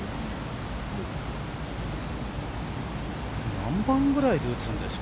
何番ぐらいで打つんですか？